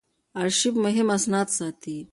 آرشیف مهم اسناد ساتي.